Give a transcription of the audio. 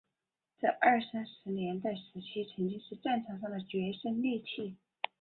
在二三十年代时期曾经是战场上的决胜利器。